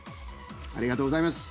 ありがとうございます。